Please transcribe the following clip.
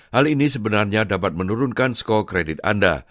hal ini sebenarnya dapat menurunkan skol kredit anda